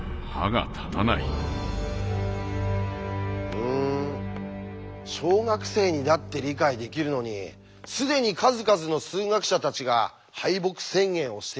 うん小学生にだって理解できるのに既に数々の数学者たちが敗北宣言をしているなんて。